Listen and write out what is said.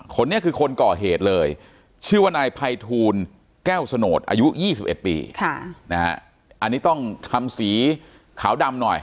คนนี้คือคนก่อเหตุเลยชื่อว่านายภัยทูลแก้วสโนธอายุ๒๑ปีอันนี้ต้องทำสีขาวดำหน่อย